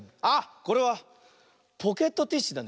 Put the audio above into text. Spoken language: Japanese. これはポケットティッシュだね。